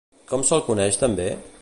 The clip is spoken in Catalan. Com se'l coneix també?